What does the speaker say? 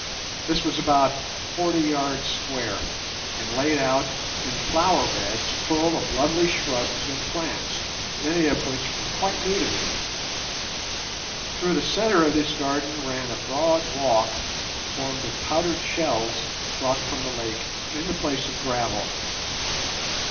This was about forty yards square, and laid out in flower beds full of lovely shrubs and plants, many of which were quite new to me. Through the centre of this garden ran a broad walk formed of powdered shells brought from the lake in the place of gravel.